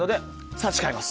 差し替えます！